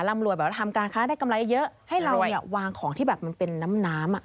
รำรวยแบบว่าทำการค้าได้กำไรเยอะให้เราเนี่ยวางของที่แบบมันเป็นน้ำน้ำอ่ะ